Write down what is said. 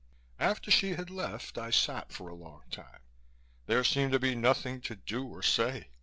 After she had left, I sat for a long time. There seemed to be nothing to do or say.